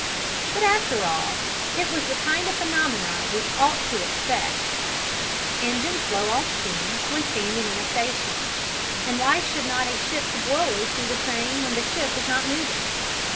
But after all it was the kind of phenomenon we ought to expect: engines blow off steam when standing in a station, and why should not a ship's boilers do the same when the ship is not moving?